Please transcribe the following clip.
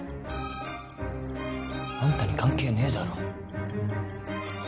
あんたに関係ねえだろ